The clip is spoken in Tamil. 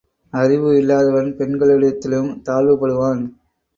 அறிவு இல்லாதவன் பெண்களிடத்திலும் தாழ்வு படுவான்.